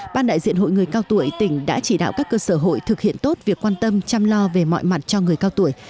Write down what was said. ban đại diện hội người cao tuổi tỉnh đã chỉ đạo các cơ sở hội thực hiện tốt việc quan tâm chăm lo về mọi mặt cho người cao tuổi